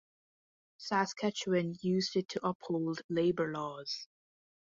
Saskatchewan used it to uphold labour laws.